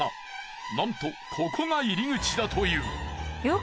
なんとここが入り口だという。